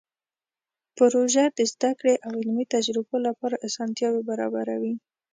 پروژه د زده کړې او علمي تجربو لپاره اسانتیاوې برابروي.